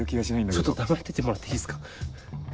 ちょっと黙っててもらっていいっすか。